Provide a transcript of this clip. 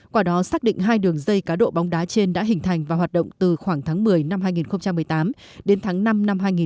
quả đó xác định hai đường dây cá độ bóng đá trên đã hình thành và hoạt động từ khoảng tháng một mươi năm hai nghìn một mươi tám đến tháng năm năm hai nghìn một mươi chín